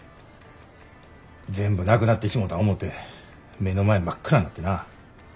全部なくなってしもた思て目の前真っ暗になってな。